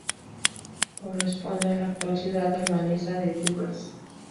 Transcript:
Corresponde a la actual ciudad albanesa de Durrës.